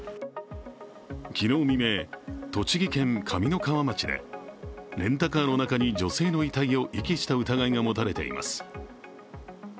昨日未明、栃木県上三川町でレンタカーの中に女性の遺体を遺棄した疑いが持たれています。